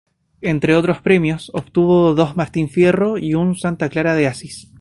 Entre otros premios, obtuvo dos Martín Fierro y un Santa Clara de Asís.